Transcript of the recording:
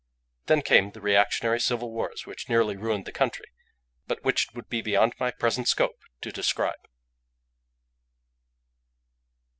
Then came the reactionary civil wars which nearly ruined the country, but which it would be beyond my present scope to describe.